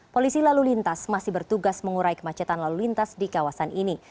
polisi lalu lintas masih bertugas mengurai kemacetan lalu lintas di kawasan ini